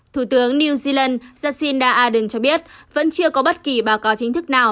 thủ tướng new zealand jacinda ardern cho biết vẫn chưa có bất kỳ báo cáo chính thức nào